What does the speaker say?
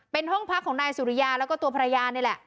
เป็นห้องพักของนายสุริยาแล้วก็ตัวภรรยานี่แหละ